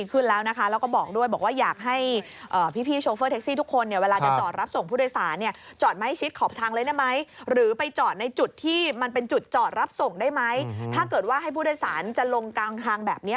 ก็เลยบอกไปบอกพี่ผมหาใจไม่ออกครับอะไรอย่างนี้